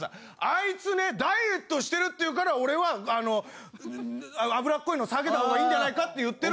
あいつねダイエットしてるって言うから俺は油っこいの避けた方がいいんじゃないかって言ってる。